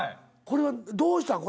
これはどうしたん？